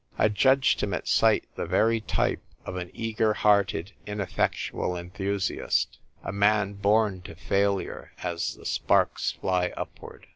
I judged him at sight the very type of an eager hearted ineffectual enthusiast — a man born to failure as the sparks fly upward.